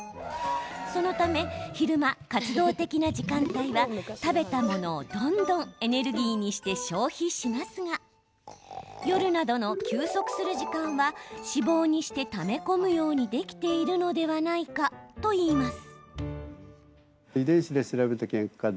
そのため、昼間活動的な時間帯は食べたものをどんどんエネルギーにして消費しますが夜などの休息する時間は脂肪にして、ため込むようにできているのではないかといいます。